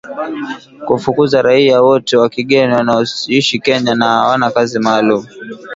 Kufukuza raia wote wa kigeni wanaoishi Kenya na hawana kazi maalum